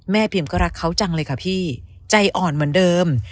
พิมก็รักเขาจังเลยค่ะพี่ใจอ่อนเหมือนเดิม